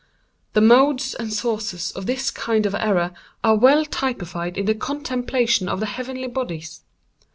The modes and sources of this kind of error are well typified in the contemplation of the heavenly bodies.